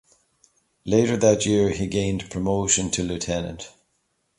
Later that year he gained promotion to lieutenant.